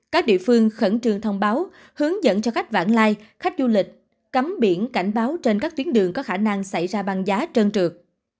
các địa phương khẩn trương thông báo hướng dẫn cho khách vãng lai khách du lịch cấm biển cảnh báo trên các tuyến đường có khả năng xảy ra băng giá trơn trượt